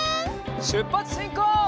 しゅっぱつしんこう！